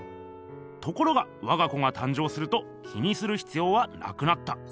ところがわが子が誕生すると気にするひつようはなくなった。